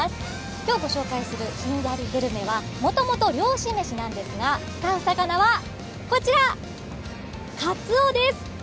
今日ご紹介するひんやりグルメはもともと漁師めしなんですが使う魚はこちら、カツオです。